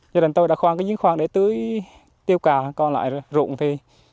nhà đình tôi đã khoảng những khoảng để tưới tiêu cà còn lại rụng thì